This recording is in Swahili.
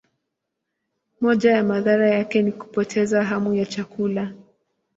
Moja ya madhara yake ni kupoteza hamu ya chakula.